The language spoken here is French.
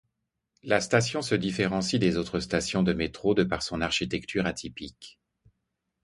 La station se différencie des autres stations de métro de par son architecture atypique.